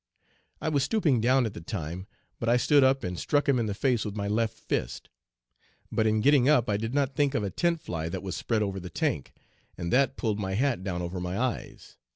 I was stooping down at the time, but I stood up and struck him in the face with my left fist; but in getting up I did not think of a tent fly that was spread over the tank, and that pulled my hat down over my eyes.